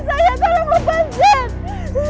saya kalau mau panjat